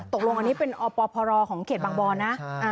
ตกลงอันนี้เป็นอปพรของเขตบางบอนนะ